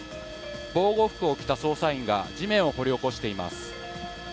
防護服を着た捜査員が地面を掘り起こしています。